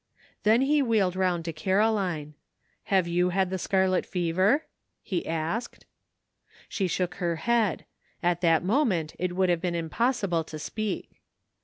Then he wheeled round to Caroline. " Have you had the scarlet fever?" he asked. She shook her head ; at that moment it would have been impossible to speak.